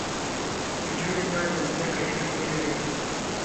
نجونې باید د زده کړې حق ولري.